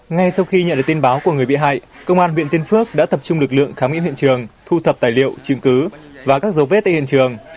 ngay sau khi nhận được tin báo của người bị hại công an huyện tiên phước đã tập trung lực lượng khám nghiệm hiện trường thu thập tài liệu chứng cứ và các dấu vết tại hiện trường